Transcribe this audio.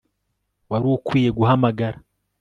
Wari ukwiye guhamagara